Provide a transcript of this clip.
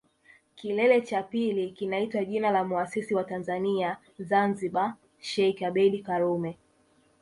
Kilele cha pili kinaitwa jina la Muasisi wa Tanzania Zanzibar Sheikh Abeid Karume